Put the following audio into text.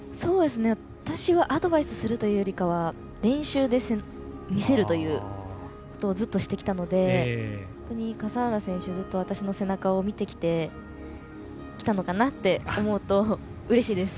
私はアドバイスするというより練習で見せるということをずっとしてきたので笠原選手、ずっと私の背中を見てきたのかなと思うとうれしいです。